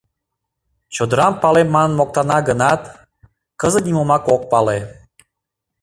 Чодырам палем манын моктана гынат, кызыт нимомак ок пале.